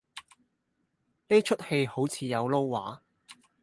呢齣戲好似有撈話